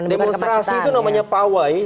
demonstrasi itu namanya pawai